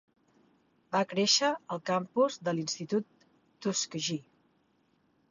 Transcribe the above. Va créixer al campus de l'Institut Tuskegee.